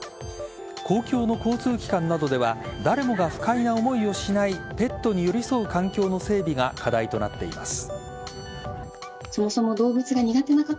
公共の交通機関などでは誰もが不快な思いをしないペットに寄り添う環境の整備が課題となっています。